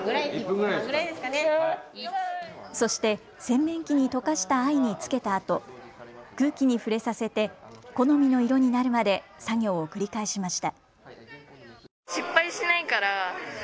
そして洗面器に溶かした藍につけたあと空気に触れさせて好みの色になるまで作業を繰り返しました。